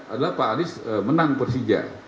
adalah pak anies menang persija